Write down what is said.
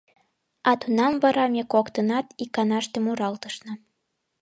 А тунам вара ме коктынат иканаште муралтышна: